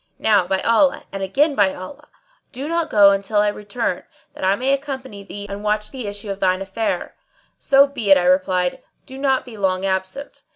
Now by Allah! and again by Allah! do not go till I return, that I may accompany thee and watch the issue of thine affair." "So be it," I replied, "do not be long absent."